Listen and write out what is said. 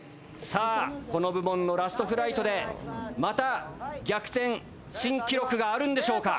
さあこの部門のラストフライトでまた逆転新記録があるんでしょうか。